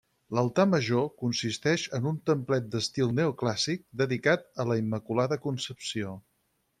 L'altar major consisteix en un templet d'estil neoclàssic dedicat a la Immaculada Concepció.